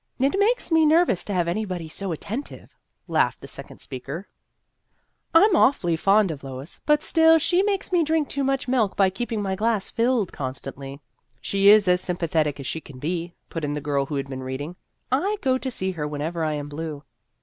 "It makes me nervous to have anybody so attentive," laughed the second speaker. 44 Vassar Studies " I 'm awfully fond of Lois, but still she makes me drink too much milk by keep ing my glass filled constantly." " She is as sympathetic as she can be," put in the girl who had been reading. " I go to see her whenever I am blue."